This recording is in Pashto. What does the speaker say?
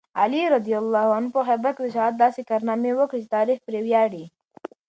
علي رض په خیبر کې د شجاعت داسې کارنامې وکړې چې تاریخ پرې ویاړي.